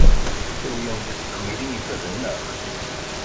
Tuwyem-d tizmilin ifazen, naɣ?